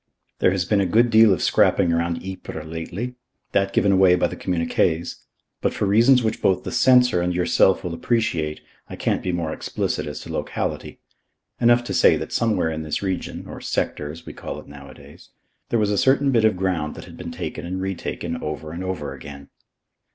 "There has been a good deal of scrapping around Ypres lately that given away by the communiques; but for reasons which both the Censor and yourself will appreciate, I can't be more explicit as to locality. Enough to say that somewhere in this region or sector, as we call it nowadays there was a certain bit of ground that had been taken and retaken over and over again.